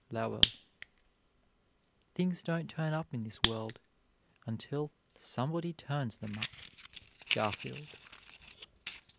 LOWELL. Things don't turn up in this world until somebody turns them up. GARFIELD.